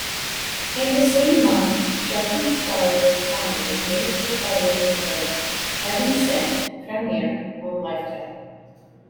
In the same month, Shelton-starrer family made-for-television film "Heaven Sent" premiered on Lifetime.